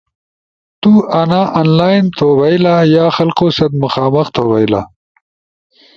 ت تو آںا آن لائن تو بئیلا یا خلقو ست مخامخ تو بھئیلا۔